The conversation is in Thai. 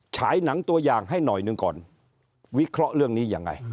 ฉายหนังตัวอย่างให้หน่อยหนึ่งก่อนวิเคราะห์เรื่องนี้ยังไง